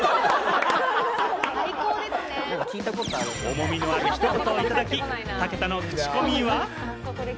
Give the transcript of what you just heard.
重みのあるひと言をいただき、武田のクチコミは？